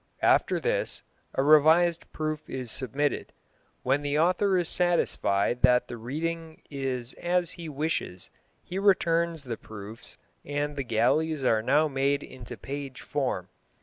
After this a revised proof is submitted. When the author is satisfied that the reading is as he wishes he returns the proofs, and the galleys are now made into page form.